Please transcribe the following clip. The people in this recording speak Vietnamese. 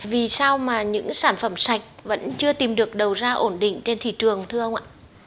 vì sao mà những sản phẩm sạch vẫn chưa tìm được đầu ra ổn định trên thị trường thưa ông ạ